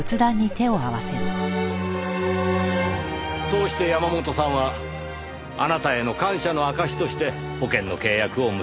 そうして山本さんはあなたへの感謝の証しとして保険の契約を結んだ。